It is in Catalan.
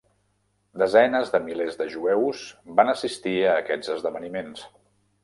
Desenes de milers de jueus van assistir a aquests esdeveniments.